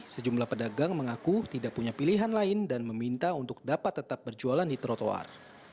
sejumlah pedagang mengaku tidak punya pilihan lain dan meminta untuk dapat tetap berjualan di trotoar